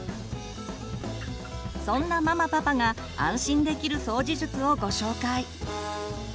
そんなママパパが安心できる掃除術をご紹介。